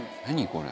これ。